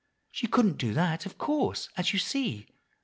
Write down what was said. She couldn't do that, of course, as you see.